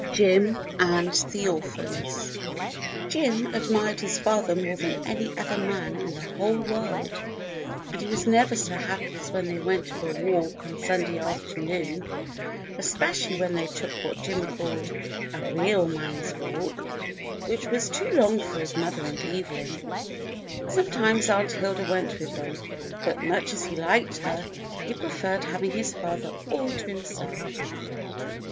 XII Jim and the Orphans JIM admired his father more than any other man in the whole world, and he was never so happy as when they went for a walk on Sunday afternoon, especially when they took what Jim called "a real man's w^alk," which was too long for his mother and Evelyn. Sometimes Aunt Hilda went with them, but much as he liked her, he preferred having his father all to himself.